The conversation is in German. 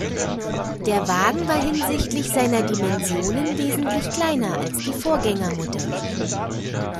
Der Wagen waren hinsichtlich seiner Dimensionen wesentlich kleiner als die Vorgängermodelle.